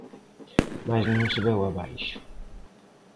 Mais non se veu abaixo.